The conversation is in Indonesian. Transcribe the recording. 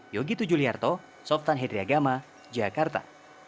yogi tujuliarto softan hedriagama jakarta